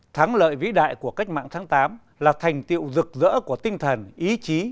thắng lợi vĩ đại của cách mạng tháng tám là thành tiệu rực rỡ của tinh thần ý chí